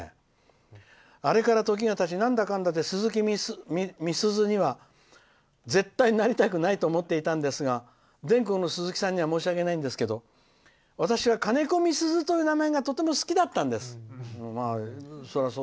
「あれから時がたちなんだかんだですずきみすずには絶対なりたくないと思っていたんですが全国のすずきさんには申し訳ないんですけど私はかねこみすずという名前がとても好きだったんです。